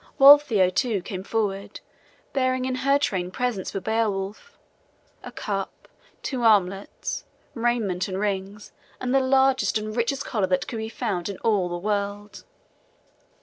Waltheow too came forth, bearing in her train presents for Beowulf a cup, two armlets, raiment and rings, and the largest and richest collar that could be found in all the world.